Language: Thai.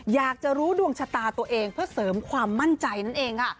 อยากจะรู้ดวงชะตาตัวเองเพื่อเสริมความมั่นใจนั่นเองค่ะ